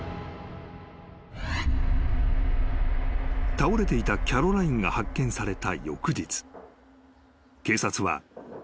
［倒れていたキャロラインが発見された］